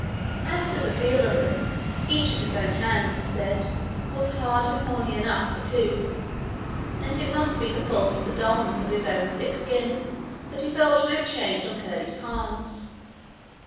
As to the feel of them, each of his own hands, he said, was hard and horny enough for two, and it must be the fault of the dullness of his own thick skin that he felt no change on Curdie's palms.